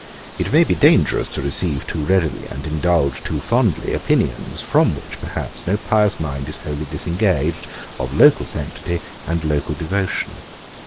It may be dangerous to receive too readily, and indulge too fondly, opinions, from which, perhaps, no pious mind is wholly disengaged, of local sanctity and local devotion.